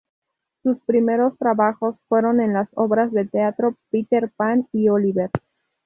Sus primeros trabajos fueron en las obras de teatro "Peter Pan" y "Oliver".